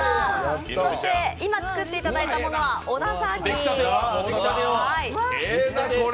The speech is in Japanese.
そして今、作っていただいたものは小田さんに。